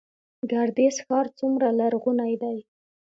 ګردیز ښار څومره لرغونی دی؟